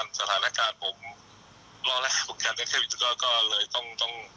สิ้นเดือนนี้ครับนี่ขอมาเล่นวันที่พี่พี่จ่ายหมดเลยใช่ไหมคะ